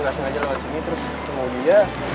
gak sengaja lewat sini terus ketemu dia